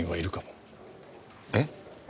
えっ？